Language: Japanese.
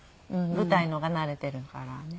舞台の方が慣れているからね。